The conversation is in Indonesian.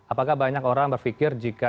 apakah banyak orang berpikir jika